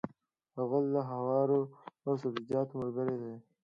غول د هوارو سبزیجاتو ملګری دی.